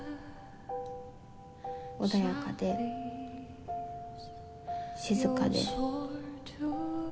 穏やかで静かで。